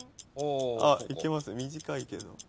いけますよ短いけど。